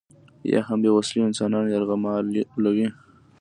یا هم بې وسلې انسانان یرغمالوي.